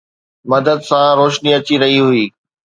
مدد سان، روشني اچي رهي هئي